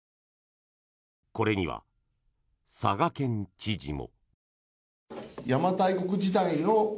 これには、佐賀県知事も。